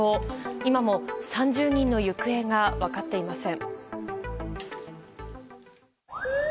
今も３０人の行方が分かっていません。